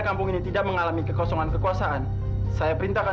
sampai jumpa di video selanjutnya